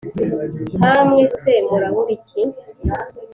nkamwe se murabura iki